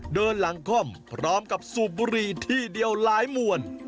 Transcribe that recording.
เดินหลังค่อมพร้อมกับสูบบุหรี่ที่เดียวหลายมวล